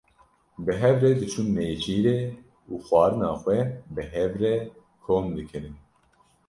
Bi hev re diçûn nêçîrê û xwarina xwe bi hev re kom dikirin.